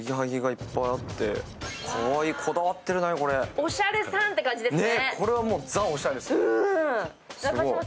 おしゃれさんって感じですね。